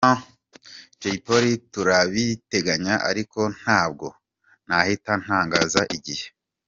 Jay polly : Turabiteganya ariko ntabwo nahita ntangaza igihe.